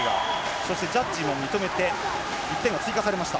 そしてジャッジも認めて、１点が追加されました。